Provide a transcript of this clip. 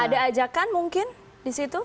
ada ajakan mungkin di situ